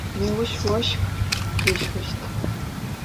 Неущ ощх къещхыщт.